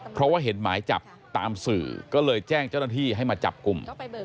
เพราะว่าเห็นหมายจับตามสื่อก็เลยแจ้งเจ้าหน้าที่ให้มาจับกลุ่ม